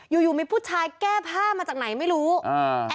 อยู่อยู่มีผู้ชายแก้ผ้ามาจากไหนไม่รู้อ่า